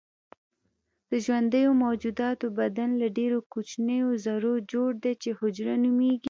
د ژوندیو موجوداتو بدن له ډیرو کوچنیو ذرو جوړ دی چې حجره نومیږي